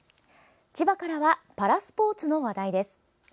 千葉からはパラスポーツの話題です。